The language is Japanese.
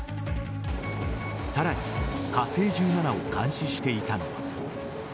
さらに火星１７を監視していたのは。